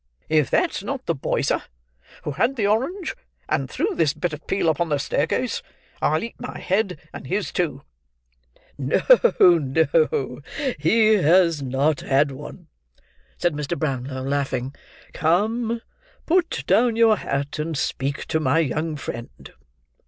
If that's not the boy, sir, who had the orange, and threw this bit of peel upon the staircase, I'll eat my head, and his too." "No, no, he has not had one," said Mr. Brownlow, laughing. "Come! Put down your hat; and speak to my young friend."